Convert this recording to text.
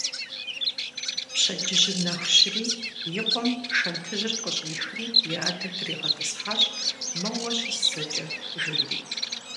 Пщэджыжьым нэху щыри и къуэм шэнтыжьыр къыщӀихри и адэр тригъэтӀысхьащ, моуэ щыс зэкӀэ жери.